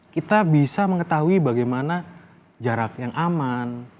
kita bisa mengetahui bagaimana jarak yang aman